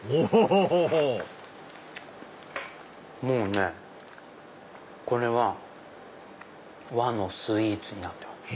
もうねこれは和のスイーツになってる。